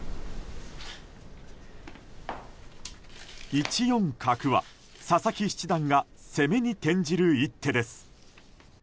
１四角は佐々木七段が攻めに転じる一手です。